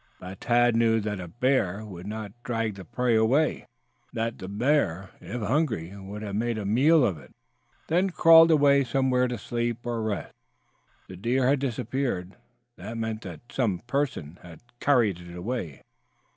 But Tad knew that a bear would not have dragged the prey away, that the bear, if hungry, would have made a meal of it, then crawled away somewhere to sleep or rest. The deer had disappeared. That meant that some person had carried it away.